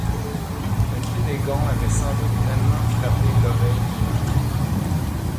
Le cri des gonds avait sans doute vainement frappé l’oreille du meurtrier.